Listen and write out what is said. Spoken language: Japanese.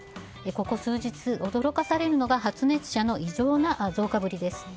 ここ数日、驚かされるのが発熱者の異常な増加ぶりです。